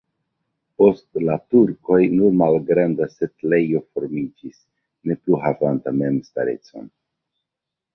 Post la turkoj nur malgranda setlejo formiĝis, ne plu havanta memstarecon.